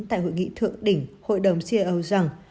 tại hội nghị thượng đỉnh hội đồng ceo rằng